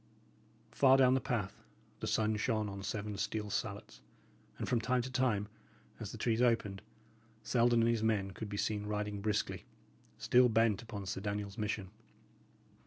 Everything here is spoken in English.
Far down the path, the sun shone on seven steel salets, and from time to time, as the trees opened, Selden and his men could be seen riding briskly, still bent upon Sir Daniel's mission.